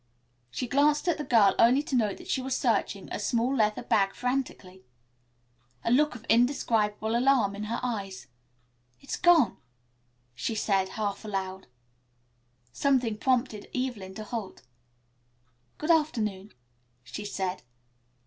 She glanced at the girl only to note that she was searching a small leather bag frantically, a look of indescribable alarm in her eyes. "It's gone," she said, half aloud. Something prompted Evelyn to halt. "Good afternoon," she said.